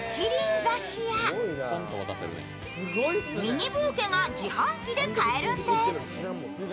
挿しやミニブーケが自販機で買えるんです。